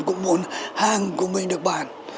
bao giờ cũng muốn hàng của mình được bán